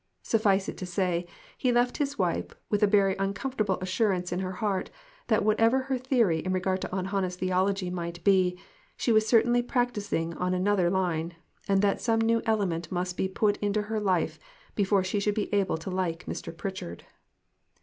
Suffice it to say, he left his wife with a very uncomfortable assurance in her heart that whatever her theory in regard to Aunt Hannah's theology might be, she was certainly practicing on another line, and that some new element must be put into her life before she should be able to like Mr. Pritchard.